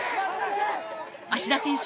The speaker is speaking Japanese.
芦田選手